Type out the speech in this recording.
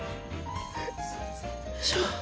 よいしょ。